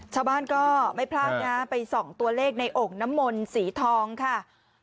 ชาวบ้านก็ไม่พลาดนะไปส่องตัวเลขในโอ่งน้ำมนต์สีทองค่ะ